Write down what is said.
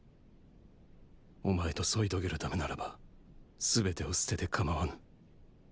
お前と添いとげるためならば全てを捨てて構わぬ。